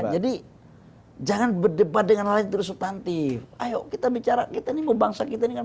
jadi jangan berdebat dengan hal yang tersutanti ayo kita bicara kita nih mau bangsa kita dengan